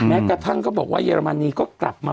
แม้กระทั่งก็บอกว่าเยอรมนีก็กลับมา